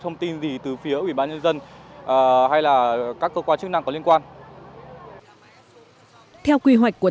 thông tin gì từ phía ủy ban nhân dân hay là các cơ quan chức năng có liên quan theo quy hoạch của